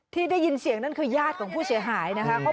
ที่ได้ยินเสียงนั่นคือญาติของผู้เสียหายนะคะ